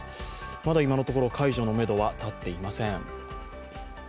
まだ今のところ解除のめどは立っていません。